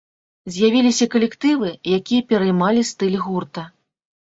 З'явіліся калектывы, якія пераймалі стыль гурта.